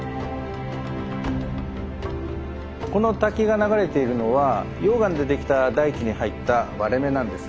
この滝が流れているのは溶岩でできた大地に入った割れ目なんですよ。